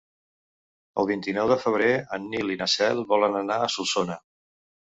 El vint-i-nou de febrer en Nil i na Cel volen anar a Solsona.